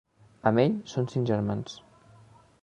Amb ell, són cinc germans: